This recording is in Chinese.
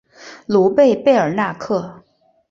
卢贝贝尔纳克。